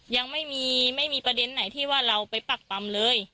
ยังไม่มีไม่มีประเด็นไหนที่ว่าเราไปปักปำเลย